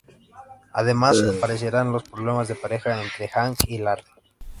Además aparecerán los problemas de pareja entre Hank y Larry.